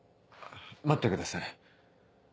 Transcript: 待ってください。